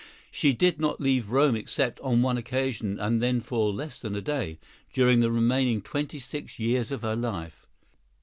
She did not leave Rome except on one occasion, and then for less than a day, during the remaining twenty six years of her life.